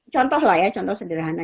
contoh lah ya contoh sederhana